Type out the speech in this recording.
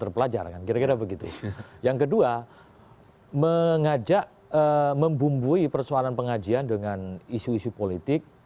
forum forum pengajian memilih